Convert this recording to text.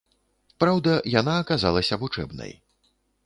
Праўда, яна аказалася вучэбнай.